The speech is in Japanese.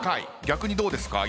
逆にどうですか？